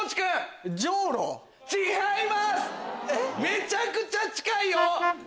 めちゃくちゃ近いよ。